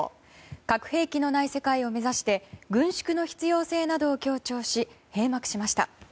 核兵器のない世界を目指して軍縮の必要性などを強調し閉幕しました。